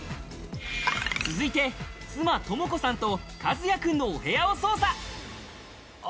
続いて妻・智子さんと和弥君のお部屋を捜査。